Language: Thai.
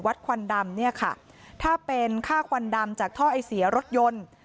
ควันดำเนี่ยค่ะถ้าเป็นค่าควันดำจากท่อไอเสียรถยนต์